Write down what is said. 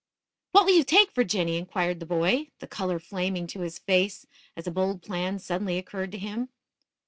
"What will you take for Jinny?" inquired the boy, the color flaming to his face as a bold plan suddenly occurred to him.